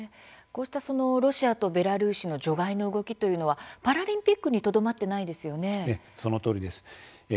こうしたロシアとベラルーシの除外の動きというのはパラリンピックにそのとおりです。